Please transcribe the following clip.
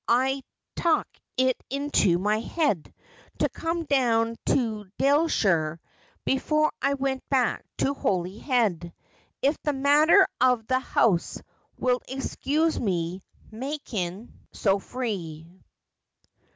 I tuk it into my head to come down to Daleshire before I went back to Holyhead, if the maather of the house will excuse me makin' so free.'